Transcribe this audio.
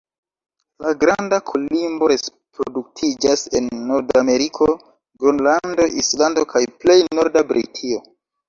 La Granda kolimbo reproduktiĝas en Nordameriko, Gronlando, Islando, kaj plej norda Britio.